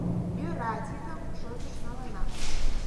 Йӧра, тидым шотыш налына.